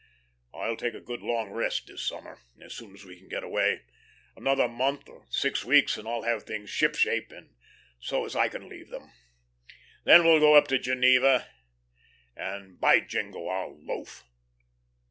I'll take a good long rest this summer, as soon as we can get away. Another month or six weeks, and I'll have things ship shape and so as I can leave them. Then we'll go up to Geneva, and, by Jingo, I'll loaf."